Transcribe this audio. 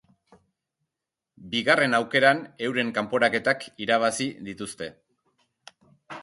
Bigarren aukeran euren kanporaketak irabazi dituzte.